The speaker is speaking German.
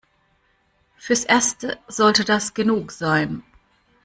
Fürs Erste sollte das genug sein.